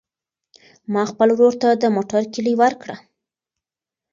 ما خپل ورور ته د موټر کیلي ورکړه.